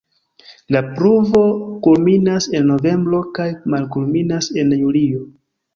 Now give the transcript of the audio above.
La pluvo kulminas en novembro kaj malkulminas en julio.